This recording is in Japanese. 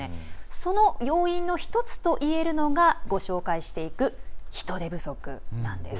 その要因の１つといえるのがご紹介していく人手不足なんです。